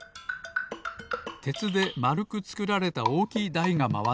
てつでまるくつくられたおおきいだいがまわっています。